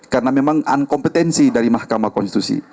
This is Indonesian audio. karena memang unkompetensi dari mahkamah konstitusi